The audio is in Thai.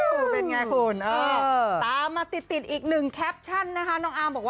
หู้เป็นไงหุ่นเออ